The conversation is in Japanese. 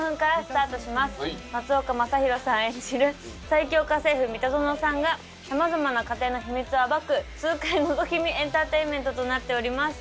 最強家政夫ミタゾノさんがさまざまな家庭の秘密を暴く痛快のぞき見エンターテインメントとなっております。